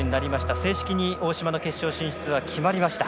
正式に大島の決勝進出が決まりました。